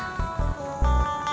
saya kasih tahu sama kamu